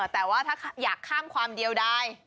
แต่ว่าถ้าอยากข้ามความเดียวได้